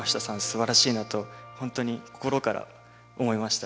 すばらしいなと本当に心から思いました。